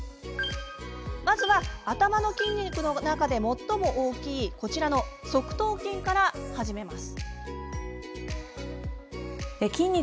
まずは、頭の筋肉の中で最も大きいこちらの側頭筋から始めます。